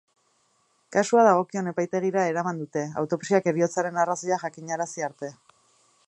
Kasua dagokion epaitegira eraman dute, autopsiak heriotzaren arrazoiak jakinarazi arte.